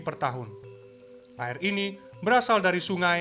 kepada penelitian percayaan air tersebut berubah menjadi ladang konflik